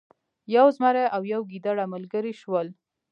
یو زمری او یو ګیدړه ملګري شول.